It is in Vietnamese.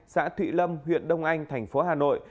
xã thụy lâm huyện đông anh thành phố hà nội